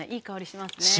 しますね。